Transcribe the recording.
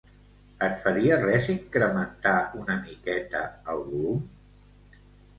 Et faria res incrementar una miqueta el volum?